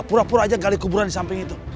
pura pura aja gali kuburan di samping itu